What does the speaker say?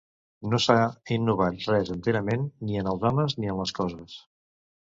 No s'ha innovat res enterament, ni en els homes, ni en les coses.